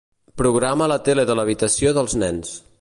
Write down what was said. Programa la tele de l'habitació dels nens.